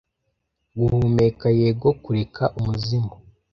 guhumeka yego kureka umuzimu